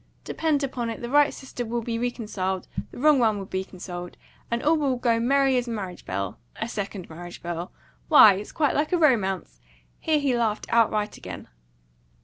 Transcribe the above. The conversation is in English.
"Depend upon it, the right sister will be reconciled; the wrong one will be consoled; and all will go merry as a marriage bell a second marriage bell. Why, it's quite like a romance!" Here he laughed outright again.